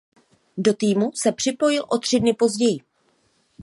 Do týmu se připojil o tři dny později.